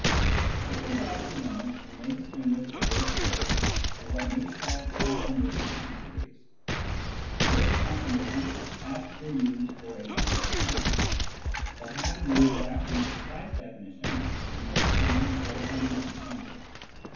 With regard to limits, we may distinguish various grades of what may be called " continuity " in a series. The word " con tinuity " had been used for a long time, but had remained without any precise definition until the time of Dedekind and Cantor.